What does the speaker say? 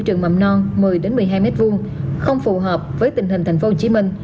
trường mầm non một mươi một mươi hai m hai không phù hợp với tình hình tp hcm